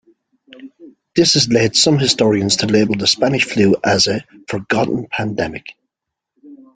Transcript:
This has led some historians to label the Spanish flu a "forgotten pandemic".